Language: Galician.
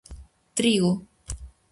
Trigo.